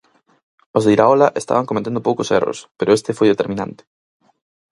Os de Iraola estaban cometendo poucos erros, pero este foi determinante.